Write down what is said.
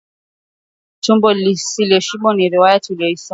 Tumbo lisiloshiba ni riwaya tuliyoisoma